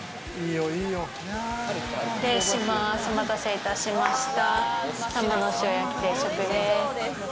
お待たせいたしました。